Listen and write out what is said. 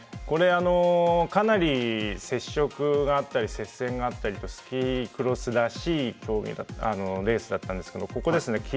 これ、かなり接触があったり接戦があったりとスキークロスらしいレースだったんですけどここですね。